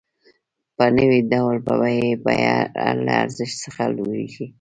په نوي ډول یې بیه له ارزښت څخه لوړېږي